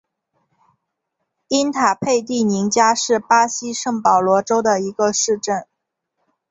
伊塔佩蒂宁加是巴西圣保罗州的一个市镇。